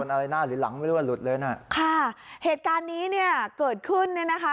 อะไรหน้าหรือหลังไม่รู้ว่าหลุดเลยน่ะค่ะเหตุการณ์นี้เนี่ยเกิดขึ้นเนี่ยนะคะ